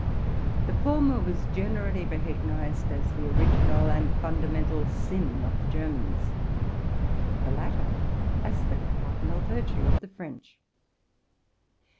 The former was generally recognized as the original and fundamental sin of the Germans, the latter as the cardinal virtue of the French.